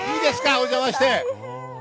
お邪魔して。